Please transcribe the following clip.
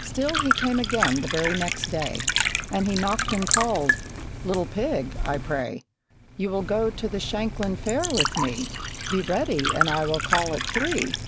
Still, he came again the very next day, And he knocked and called "Little pig, I pray, You will go to the Shanklin Fair with me. Be ready, and I will call at three!"